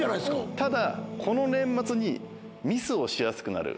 ただ、この年末にミスをしやすくなる。